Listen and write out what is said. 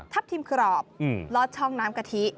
ทีมกรอบลอดช่องน้ำกะทิ